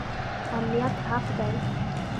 امنیت حق دی